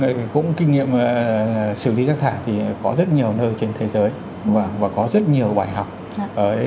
vậy thì cũng kinh nghiệm xử lý rác thải thì có rất nhiều nơi trên thế giới và có rất nhiều bài học